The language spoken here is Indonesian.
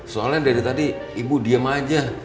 soalnya dari tadi ibu diem aja